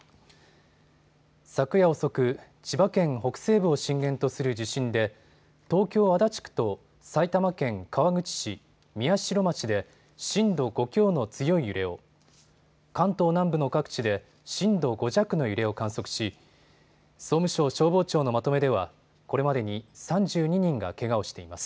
昨夜遅く、千葉県北西部を震源とする地震で東京足立区と埼玉県川口市、宮代町で震度５強の強い揺れを、関東南部の各地で震度５弱の揺れを観測し総務省消防庁のまとめではこれまでに３２人がけがをしています。